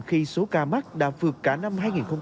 khi số ca mắc đã vượt cả năm hai nghìn một mươi chín